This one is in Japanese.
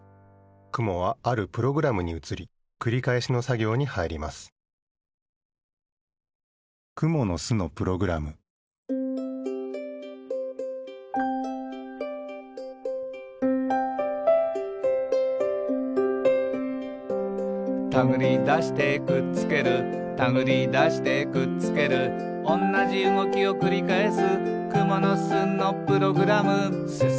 くもはあるプログラムにうつりくりかえしのさぎょうにはいります「たぐりだしてくっつけるたぐりだしてくっつける」「おんなじうごきをくりかえす」